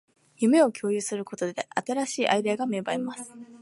夢を共有することで、新しいアイデアが芽生えます